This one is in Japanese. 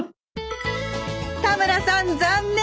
田村さん残念！